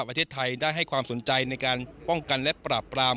ประเทศไทยได้ให้ความสนใจในการป้องกันและปราบปราม